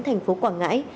tp quảng ngãi